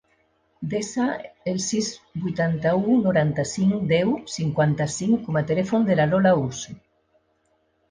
Desa el sis, vuitanta-u, noranta-cinc, deu, cinquanta-cinc com a telèfon de la Lola Ursu.